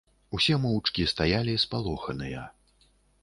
Усе моўчкі стаялі, спалоханыя.